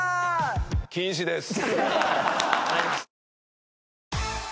禁止です。